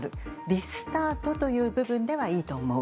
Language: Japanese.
リスタートという部分ではいいと思う。